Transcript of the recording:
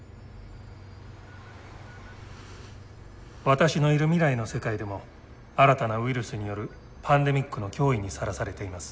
私のいる未来の世界でも新たなウイルスによるパンデミックの脅威にさらされています。